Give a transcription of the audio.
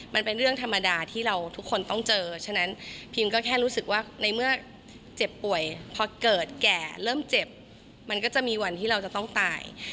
มันเป็นเรื่องธรรมดาที่เราทุกคนต้องเจอฉะนั้นพิมก็แค่รู้สึกว่าในเมื่อเจ็บป่วยพอเกิดแก่เริ่มเจ็บมันก็จะมีวันที่เราจะต้องตาย